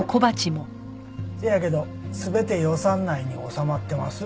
せやけど全て予算内に収まってます。